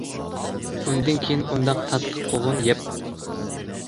ئۇندىن كىيىن ئۇنداق تاتلىق قوغۇن يەپ باقمىدىم.